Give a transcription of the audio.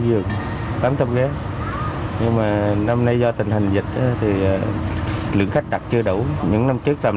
giường tám trăm linh ghế nhưng mà năm nay do tình hình dịch thì lượng khách đặt chưa đủ những năm trước